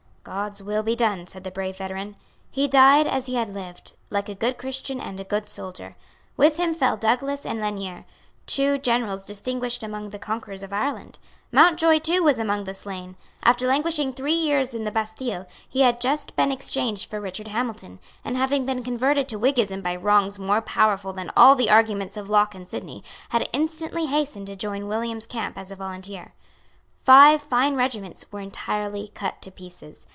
"God's will be done," said the brave veteran. He died as he had lived, like a good Christian and a good soldier. With him fell Douglas and Lanier, two generals distinguished among the conquerors of Ireland. Mountjoy too was among the slain. After languishing three years in the Bastile, he had just been exchanged for Richard Hamilton, and, having been converted to Whiggism by wrongs more powerful than all the arguments of Locke and Sidney, had instantly hastened to join William's camp as a volunteer. Five fine regiments were entirely cut to pieces.